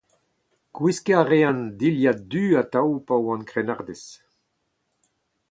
Gwiskañ a raen dilhad du atav pa oan krennardez.